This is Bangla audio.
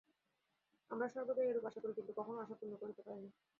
আমরা সর্বদাই এইরূপ আশা করি, কিন্তু কখনও আশা পূর্ণ করিতে পারি না।